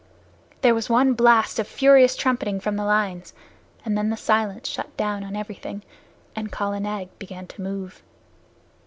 There was one blast of furious trumpeting from the lines, and then the silence shut down on everything, and Kala Nag began to move.